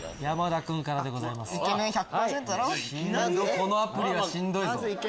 このアプリはしんどいぞ。